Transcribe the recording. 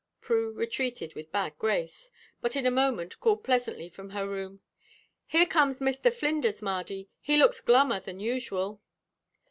Prue retreated with bad grace, but in a moment called pleasantly from her room: "Here comes Mr. Flinders, Mardy. He looks glummer than usual."